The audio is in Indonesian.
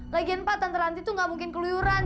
lagian pak tante rantimer tuh nggak mungkin keluyuran